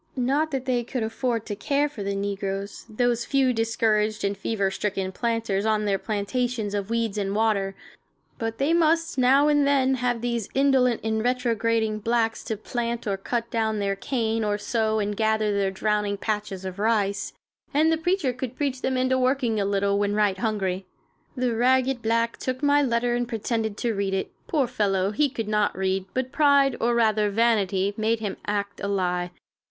Not that they could afford to care for the negroes, those few discouraged and fever stricken planters on their plantations of weeds and water, but they must, now and then, have these indolent and retrograding blacks to plant or cut down their cane, or sow and gather their drowning patches of rice, and the preacher could preach them into working a little, when right hungry. The ragged black took my letter and pretended to read it. Poor fellow, he could not read, but pride, or rather vanity, made him act a lie.